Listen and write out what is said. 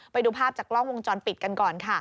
ไปดูภาพจากกล้องวงจรปิดกันก่อนค่ะ